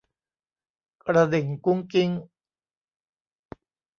กระดิ่งกุ๊งกิ๊ง